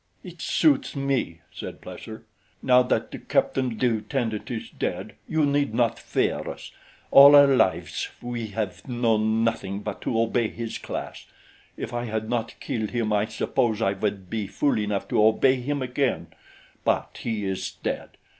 "It suits me," said Plesser. "Now that the captain lieutenant is dead you need not fear us. All our lives we have known nothing but to obey his class. If I had not killed him, I suppose I would be fool enough to obey him again; but he is dead.